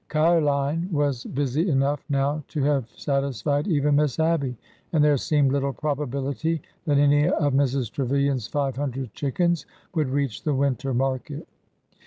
Ca'line was busy enough now to have satisfied even Miss Abby, and there seemed little probability that any of Mrs. Trevilian's five hundred chickens would reach the winter market.